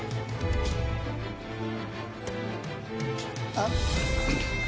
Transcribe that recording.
あっ。